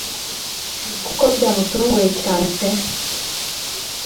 kuko byamutunguye cyane pe